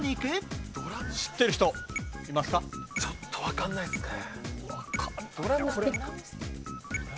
ちょっとわかんないっすね。